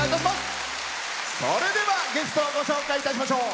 それではゲストをご紹介いたしましょう。